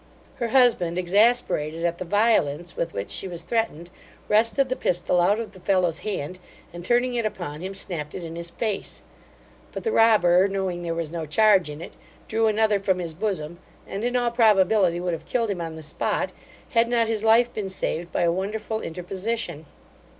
Her husband, exasperated at the violence with which she was threatened, wrested the pistol out of the fellow's hand, and turning it upon him, snapped it in his face; but the robber knowing there was no charge in it, drew another from his bosom, and in all probability would have killed him on the spot, had not his life been saved by a wonderful interposition.